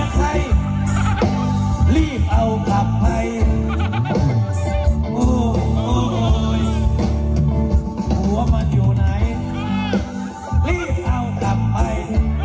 ใครหัวมันอยู่ไหนรีบเอากลับไป